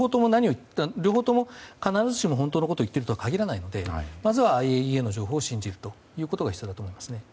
両方とも必ずしも本当のことを言っているとは限らないのでまずはＩＡＥＡの情報を信じることが必要だと思いますね。